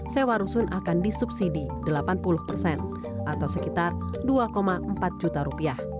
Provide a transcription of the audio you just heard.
sewa rusun akan disubsidi delapan puluh persen atau sekitar rp dua empat juta rupiah